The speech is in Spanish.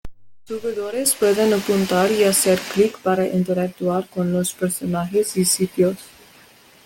Los jugadores pueden apuntar y hacer click para interactuar con los personajes y sitios.